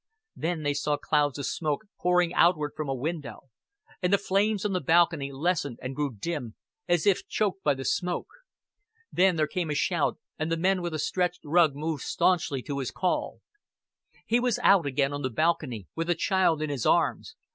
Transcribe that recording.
Then they saw clouds of smoke pouring outward from a window; and the flames on the balcony lessened and grew dim, as if choked by the smoke. Then there came a shout, and the men with the stretched rug moved stanchly to his call. He was out again on the balcony, with a child in his arms.